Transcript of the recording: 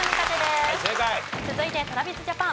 続いてＴｒａｖｉｓＪａｐａｎ